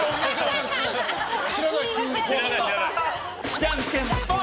じゃんけんぽい。